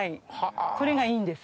これがいいんです。